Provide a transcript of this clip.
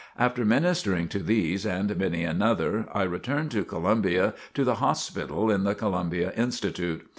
After ministering to these and many another, I returned to Columbia to the hospital in the Columbia Institute.